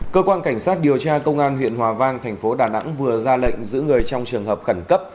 cơ quan cảnh sát điều tra công an huyện hòa vang thành phố đà nẵng vừa ra lệnh giữ người trong trường hợp khẩn cấp